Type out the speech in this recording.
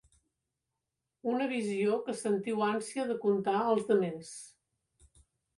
Una visió que sentiu ànsia de contar als demés.